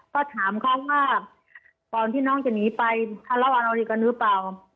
ก็ถามเขาว่าตอนที่น้องจะหนีไปถ้าเล่าอันนี้กันหรือเปล่า